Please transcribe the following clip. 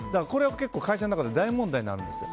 会社の中で大問題になるんですよ。